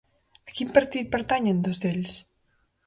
A quin partit pertanyen dos d'ells?